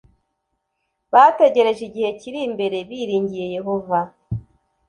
bategereje igihe kiri imbere biringiye yehova